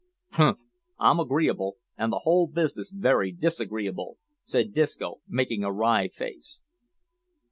"Humph! I'm agreeable, an' the whole business werry disagreeable," said Disco, making a wry face.